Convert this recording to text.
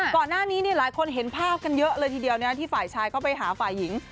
ก่อนหน้านี้หลายคนเห็นภาพกันเยอะเลยทีเดียวที่ฝ่ายชายเข้าไปหาฝ่ายหญิง